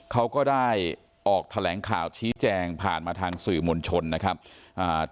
เขาก็ได้ออกแถลงข่าวชี้แจงผ่านมาทางสื่อมวลชนนะครับอ่า